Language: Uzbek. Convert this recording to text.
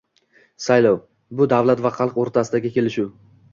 - Saylov - bu davlat va xalq o'rtasidagi kelishuv